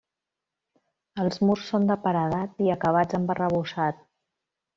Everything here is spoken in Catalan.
Els murs són de paredat i acabats amb arrebossat.